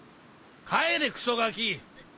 帰れクソガキ！